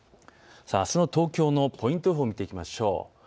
あすの東京のポイント予報を見ていきましょう。